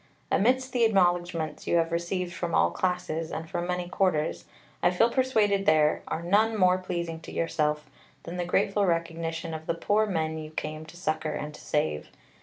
Amidst the acknowledgments you have received from all classes, and from many quarters, I feel persuaded there are none more pleasing to yourself than the grateful recognition of the poor men you came to succour and to save.